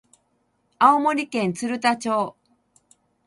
青森県鶴田町